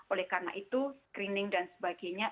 oleh karena itu screening dan sebagainya